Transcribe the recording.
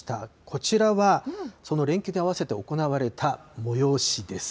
こちらは、その連休に合わせて行われた催しです。